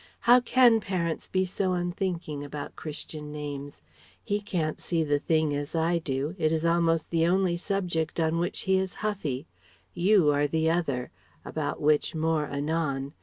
How can parents be so unthinking about Christian names? He can't see the thing as I do; it is almost the only subject on which he is 'huffy.' You are the other, about which more anon.